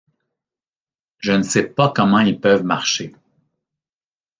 Je ne sais pas comment ils peuvent marcher.